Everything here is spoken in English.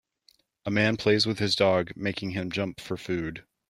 A man plays with his dog, making him jump for food.